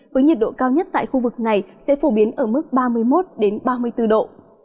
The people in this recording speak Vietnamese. với nhiệt độ cao nhất tại khu vực này sẽ phổ biến ở mức ba mươi một ba mươi bốn độ